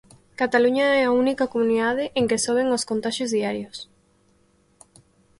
Cataluña é a única comunidade en que soben os contaxios diarios.